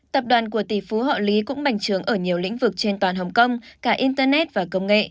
tập đoàn của tỷ phú họ lý cũng mảnh trướng ở nhiều lĩnh vực trên toàn hồng kông cả internet và công nghệ